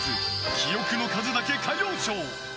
記憶の数だけ歌謡ショー。